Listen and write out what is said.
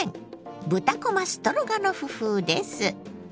「豚こまストロガノフ風」です。